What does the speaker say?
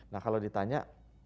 nah kalau ditanya